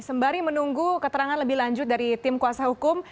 sembari menunggu keterangan lebih lanjut dari tim kuasa hukum